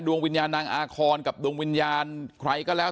ดวงวิญญาณนางอาคอนกับดวงวิญญาณใครก็แล้ว